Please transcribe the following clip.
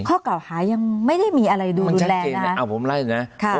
ข้อกล่าวหายังไม่ได้มีอะไรดูดูแลนะมันชัดเจนเอาผมไล่ดูนะค่ะ